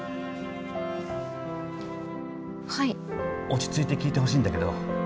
落ち着いて聞いてほしいんだけど。